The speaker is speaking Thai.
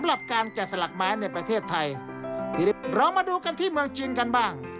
เรามาดูกันที่เมืองจีนกันบ้าง